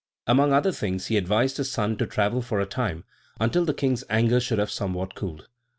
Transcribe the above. Amongst other things, he advised his son to travel for a time, until the king's anger should have somewhat cooled.